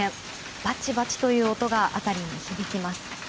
バチバチという音が辺りに響きます。